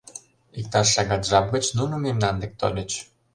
Иктаж шагат жап гыч нуно мемнан дек тольыч.